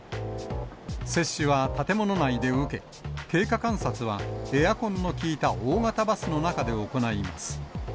接種は建物内で受け、経過観察はエアコンの効いた大型バスの中で行います。